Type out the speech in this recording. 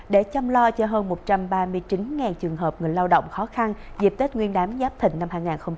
để chăm lo cho hơn một trăm ba mươi chín trường hợp người lao động khó khăn dịp tết nguyên đáng giáp thịnh năm hai nghìn hai mươi bốn